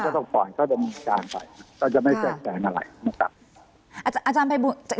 ดังนั้นก็ต้องปล่อยเข้าไปบุญการไปก็จะไม่แสดงอะไร